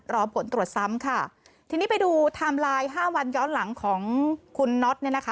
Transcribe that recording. รอผลตรวจซ้ำค่ะทีนี้ไปดูไทม์ไลน์ห้าวันย้อนหลังของคุณน็อตเนี่ยนะคะ